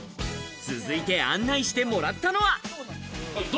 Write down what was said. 続いて案内してもらったのは。